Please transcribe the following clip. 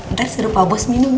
ntar suruh pak bos minum ya